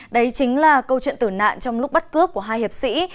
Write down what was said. đấy chính là câu chuyện tử nạn trong lúc bắt cướp của hai hiệp sĩ